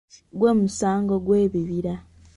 Gwe mugaso gw’ebibira.